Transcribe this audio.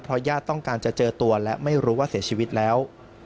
ญาติต้องการจะเจอตัวและไม่รู้ว่าเสียชีวิตแล้ว